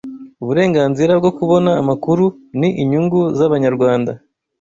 Uburenganzira bwo kubona amakuru ni inyungu z’Abanyarwanda